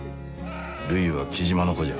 るいは雉真の子じゃ。